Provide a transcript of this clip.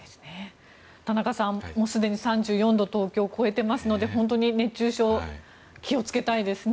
田中さん、すでに３４度東京は超えていますので本当に熱中症気をつけたいですね。